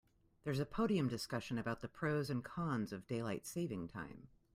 There's a podium discussion about the pros and cons of daylight saving time.